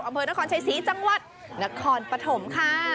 อำเภอนครชัยศรีจังหวัดนครปฐมค่ะ